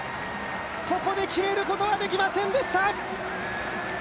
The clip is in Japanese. ここで決めることはできませんでした。